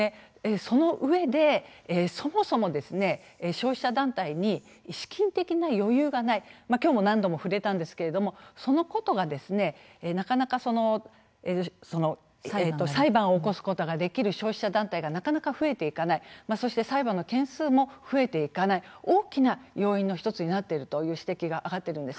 そのうえで、そもそも消費者団体に資金的な余裕がないきょうも何度か触れましたがこのことが裁判を起こすことができる消費者団体がなかなか増えていかないそして裁判の件数も増えていかない大きな要因の１つになっているという指摘があがっているんです。